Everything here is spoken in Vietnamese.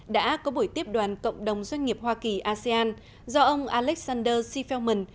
đã có buổi tiếp đoàn cộng đồng doanh nghiệp hoa kỳ asean do ông alexander sifelman